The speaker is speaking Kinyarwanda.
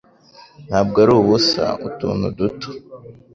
Ntabwo ari ubusa utuntu duto